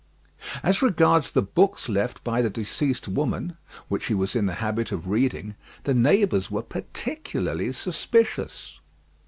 As regards the books left by the deceased woman, which he was in the habit of reading, the neighbours were particularly suspicious.